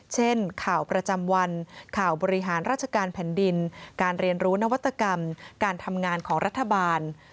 เช่นข่าวประจำวันข่าวบริหารราชการแผ่นดินการเรียนรู้นวัตกรรมการทำงานของรัฐบาล